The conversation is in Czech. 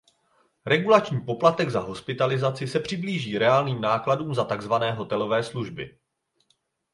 Regulační poplatek za hospitalizaci se přiblíží reálným nákladům za takzvané hotelové služby.